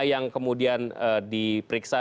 yang kemudian diperiksa